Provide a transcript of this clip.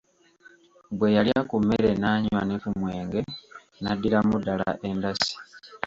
Bwe yalya ku mmere n'anywa ne ku mwenge n'addiramu ddala endasi.